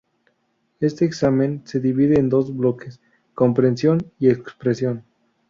Este examen se divide en dos bloques: Comprensión y Expresión.